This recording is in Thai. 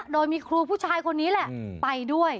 โดยมีครูผู้ชายคนนี้แหละไปด้วย